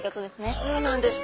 そうなんです。